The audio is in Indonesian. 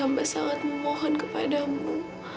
dan aku sangat memohon kepadamu